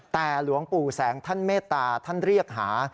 แต่หลวงปู่แสงท่านเมตตาท่านเรียกหา